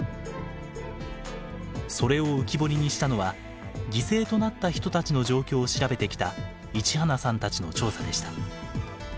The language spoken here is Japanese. それを浮き彫りにしたのは犠牲となった人たちの状況を調べてきた市花さんたちの調査でした。